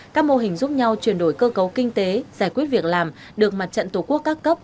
các mô hình giúp nhau chuyển đổi cơ cấu kinh tế giải quyết việc làm được mặt trận tổ quốc các cấp